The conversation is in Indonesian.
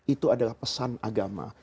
itu adalah pesan agama